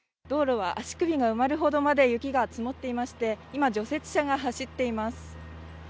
道路は足首が埋まるほどまで積もっていまして今、除雪車が走っています。